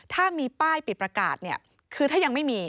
ถ้ามีป้ายปิดประกาศเนี่ยคือถ้ายังไม่มี